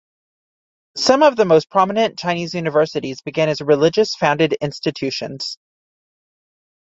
Some of the most prominent Chinese universities began as religious-founded institutions.